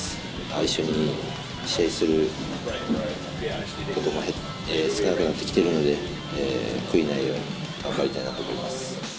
一緒に試合することも少なくなってきているので、悔いないように頑張りたいなと思います。